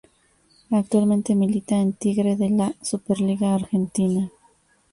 Actualmente milita en Tigre de la Superliga Argentina.